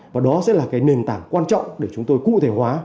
và đó sẽ là cái nền tảng quan trọng để chúng tôi cụ thể hóa